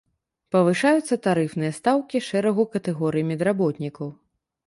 Павышаюцца тарыфныя стаўкі шэрагу катэгорый медработнікаў.